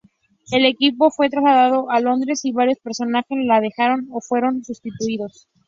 El equipo fue trasladado a Londres y varios personajes la dejaron o fueron sustituidos.